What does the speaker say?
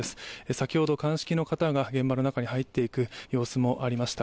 先ほど鑑識の方が現場の中に入っていく様子もありました。